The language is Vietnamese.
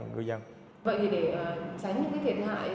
vậy thì để tránh những thiệt hại